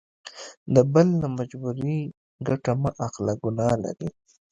د بل له مجبوري ګټه مه اخله ګنا لري.